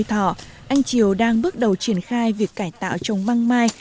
trong thời thọ anh triều đang bước đầu triển khai việc cải tạo trồng măng mai